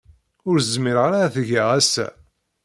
Ur zmireɣ ara ad t-geɣ ass-a.